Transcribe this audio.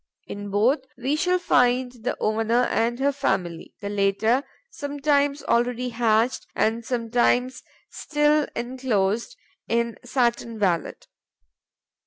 In both, we find the owner and her family, the latter sometimes already hatched and sometimes still enclosed in the satin wallet.